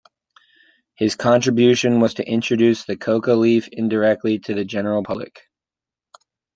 His contribution was to introduce the coca leaf indirectly to the general public.